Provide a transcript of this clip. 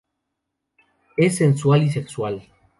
Es sensual y sexual.